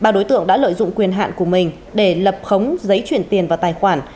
ba đối tượng đã lợi dụng quyền hạn của mình để lập khống giấy chuyển tiền vào tài khoản